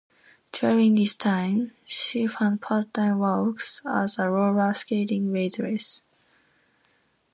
During this time, she found part-time work as a roller-skating waitress.